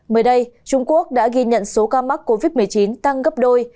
mới đây trung quốc đã ghi nhận số ca mắc covid một mươi chín tăng gấp đôi